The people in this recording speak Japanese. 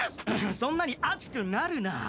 そんなに熱くなるな！